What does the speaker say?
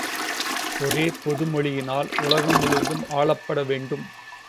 ஒரே பொது மொழியினால் உலகம் முழுதும் ஆளப்பட வேண்டும்.